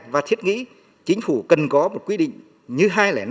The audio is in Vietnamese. và thiết nghĩ chính phủ cần có một quy định như hai trăm linh năm